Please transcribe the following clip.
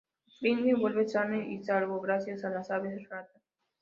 Flint vuelve sano y salvo gracias a las aves rata.